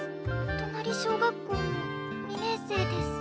となり小学校の２年生です。